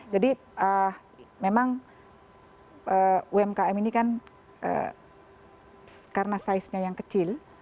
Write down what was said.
memang umkm ini kan karena size nya yang kecil